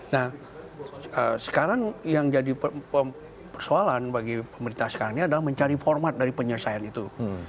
nah sekarang yang jadi persoalan bagi pemerintah sekarang ini adalah mencari format dari penyelesaian itu